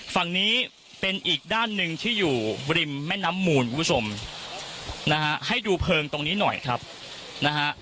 ฝั่งนี้เป็นอีกด้านหนึ่งที่อยู่ริมแม่น้ำมูลคุณผู้ชมนะฮะให้ดูเพลิงตรงนี้หน่อยครับนะฮะ